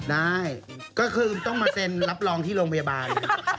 ได้ก็คือต้องมาเซ็นรับรองที่โรงพยาบาล